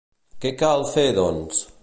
Què cal fer, doncs?